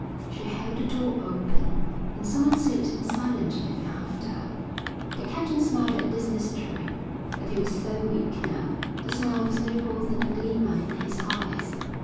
She held the door open and some one slipped in silently behind her. The captain smiled at this mystery, but he was so weak now, the smile was no more than a glimmer in his eyes.